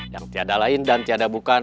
yang tiada lain dan tiada bukan